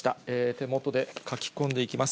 手元で書き込んでいきます。